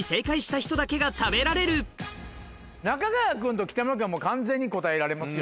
中川君と北村君はもう完全に答えられますよ。